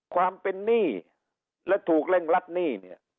ความเป็นนี่และถูกเร่งรัดหนี้